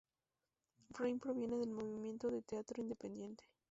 Rein proviene del movimiento de teatro independiente.